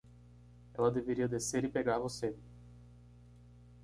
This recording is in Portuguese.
Ela deveria descer e pegar você.